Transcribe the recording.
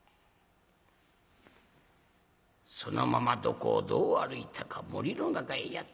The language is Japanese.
そのままどこをどう歩いたか森の中へやって来ます。